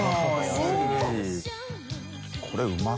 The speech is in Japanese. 安い。